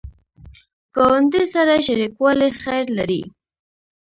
ګاونډي سره شریکوالی خیر لري